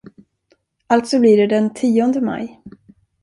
Alltså blir det den tionde maj.